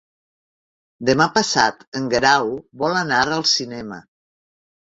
Demà passat en Guerau vol anar al cinema.